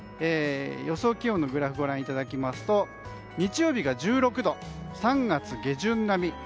予想気温のグラフご覧いただきますと日曜日が１６度、３月下旬並み。